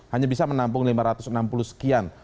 hanya bisa menampung lima ratus enam puluh sekian